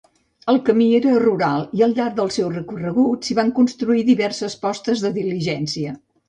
El camí era rural i al llarg del seu recorregut s'hi van construir diverses postes de diligència.